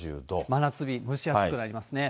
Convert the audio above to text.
真夏日、蒸し暑くなりますね。